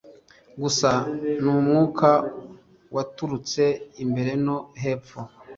gusa n'umwuka waturutse imbere no hepfo